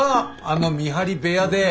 あの見張り部屋で。